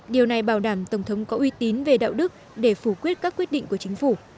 điều này bảo đảm tổng thống có uy tín về đạo đức để phủ quyết các quyết định của chính phủ